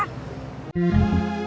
nah kita balik lagi